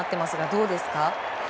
どうですか？